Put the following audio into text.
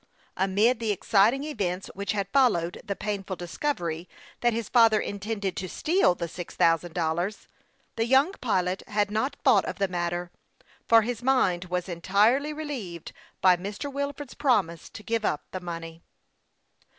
Amid the exciting events which had followed the painful discovery that his father intended to steal the six thousand dollars, the young pilot had not thought of the matter, for his mind was entirely relieved by Mr. Wilford's promise to give up the money.